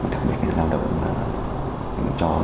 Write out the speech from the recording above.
đặc biệt là lao động cho